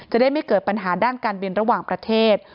ได้ไม่เกิดปัญหาด้านการบินระหว่างประเทศ